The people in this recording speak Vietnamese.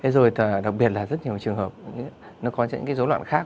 đặc biệt là rất nhiều trường hợp có những dấu loạn khác